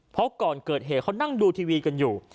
เพราะก่อนเกิดเหตุเขานั่งดูทีวีกันอยู่